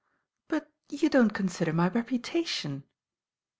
;;But you don't consider my reputation."